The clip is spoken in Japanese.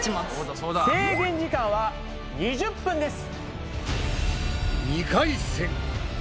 制限時間は２０分です。